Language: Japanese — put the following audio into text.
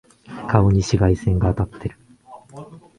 顔に紫外線が当たってる。